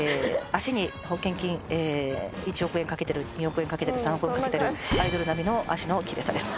脚に保険金１億円かけてる２億円かけてる３億円かけてるアイドル並みの脚のキレイさです